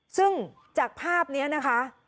ซึ่งจากภาพนี้นะคะ